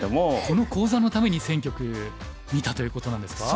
この講座のために１，０００局見たということなんですか？